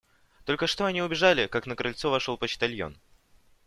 Только что они убежали, как на крыльцо вошел почтальон.